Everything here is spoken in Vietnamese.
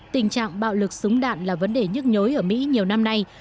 tình trạng bạo lực súng đạn là vấn đề nhức nhối ở mỹ nhiều năm nay